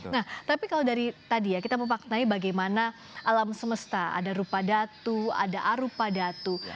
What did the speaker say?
nah tapi kalau dari tadi ya kita memaknai bagaimana alam semesta ada rupa datu ada arupa datu